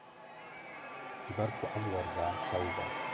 ji ber ku ev werza şewb e